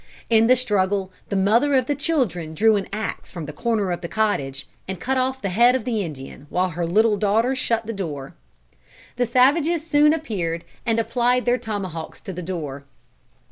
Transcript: "In the struggle, the mother of the children drew an axe from the corner of the cottage and cut off the head of the Indian, while her little daughter shut the door. The savages soon appeared, and applied their tomahawks to the door.